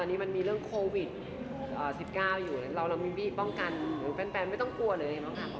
ตอนนี้มันมีเรื่องโควิด๑๙อยู่เรามีพี่ป้องกันแฟนไม่ต้องกลัวเลย